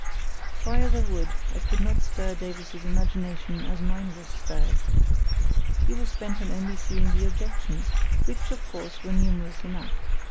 Try as I would I could not stir Davies's imagination as mine was stirred. He was bent on only seeing the objections, which, of course, were numerous enough.